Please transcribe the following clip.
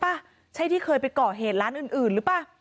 ดูว่าลุงคนนี้ใช่ป่ะใช้ที่เคยไปเกาะเหรหร้านอื่นป่ะ